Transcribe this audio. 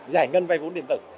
giải ngân vay vốn điện tử